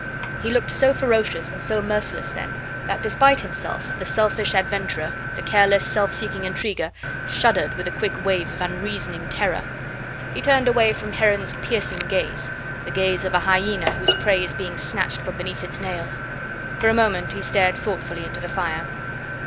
He looked so ferocious and so merciless then, that despite himself, the selfish adventurer, the careless self seeking intriguer, shuddered with a quick wave of unreasoning terror. He turned away from Heron's piercing gaze, the gaze of a hyena whose prey is being snatched from beneath its nails. For a moment he stared thoughtfully into the fire.